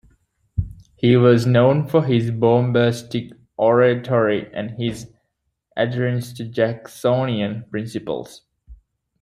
He was known for his bombastic oratory and his adherence to Jacksonian principles.